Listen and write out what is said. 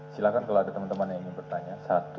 silahkan kalau ada teman teman yang ingin bertanya